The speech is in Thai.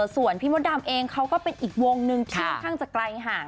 ส่วนพี่มดดำเองเขาก็เป็นอีกวงหนึ่งที่ค่อนข้างจะไกลห่าง